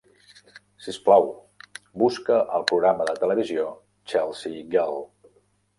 Sisplau, busca el programa de TV Chelsea Girl.